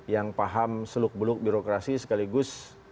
yang paham seluk beluk birokrasi sekaligus